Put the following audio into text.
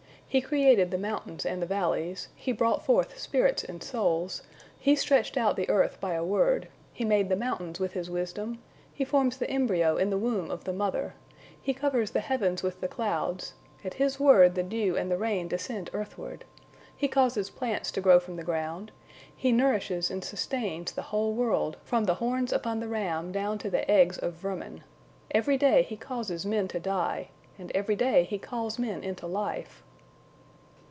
He created the mountains and the valleys, He brought forth spirits and souls, He stretched out the earth by a word, He made the mountains with His wisdom, He forms the embryo in the womb of the mother, He covers the heavens with clouds, at His word the dew and the rain descend earthward, He causes plants to grow from the ground, He nourishes and sustains the whole world, from the horns upon the rem down to the eggs of vermin. Every day He causes men to die, and every day He calls men into life."